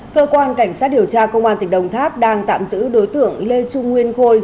cơ quan cảnh sát điều tra công an tỉnh đồng tháp đang tạm giữ đối tượng lê trung nguyên khôi